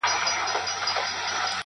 اوس به څه ليكې شاعره!!